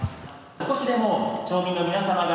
少しでも町民の皆さまが